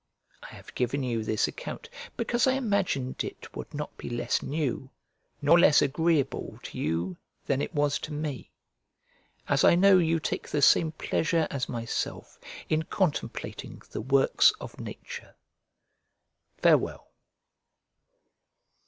I have given you this account because I imagined it would not be less new, nor less agreeable, to you than it was to me; as I know you take the same pleasure as myself in contemplating the works of nature. Farewell.